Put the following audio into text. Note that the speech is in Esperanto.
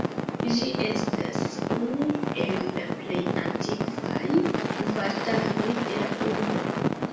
Ĝi estas unu el la plej antikvaj kvartaloj de la urbo.